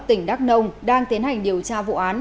tỉnh đắk nông đang tiến hành điều tra vụ án